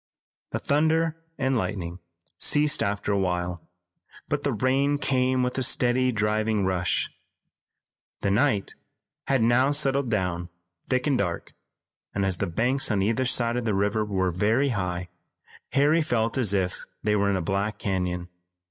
The thunder and lightning ceased after a while, but the rain came with a steady, driving rush. The night had now settled down thick and dark, and, as the banks on either side of the river were very high, Harry felt as if they were in a black canyon.